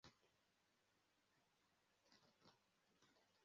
wambaye byuzuye t-shati namakabutura yimizigo yerekana inda yumugabo utagira ishati